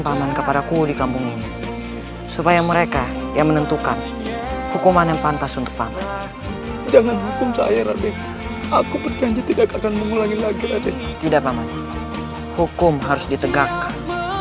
tidak paman hukum harus ditegakkan